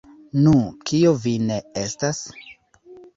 Nu, kio vi ne estas?